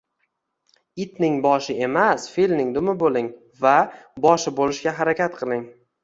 Itning boshi emas, filning dumi bo’ling va boshi bo’lishga harakat qiling